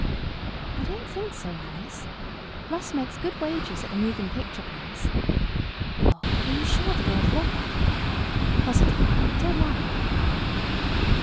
"I don't think so, Alice. Russ makes good wages at the moving picture place. Oh, are you sure the door is locked?" "Positive. Don't worry."